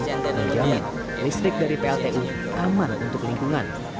dan jangan listrik dari pltu aman untuk lingkungan